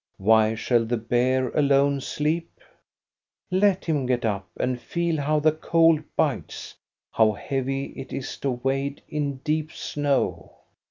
Why shall the bear alone sleep ? Let him get up and feel how the cold bites, how heavy it is to wade in deep snow.